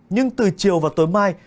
nhưng từ chiều và tối mai